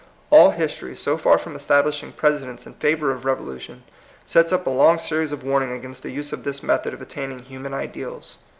All history, so far from establishing prece dents in favor of revolution, sets up a long series of warnings against the use of this method of attaining human ideals.